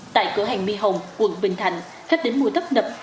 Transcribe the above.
tại cửa hàng my hồng quận bình thành khách đến mua tấp nập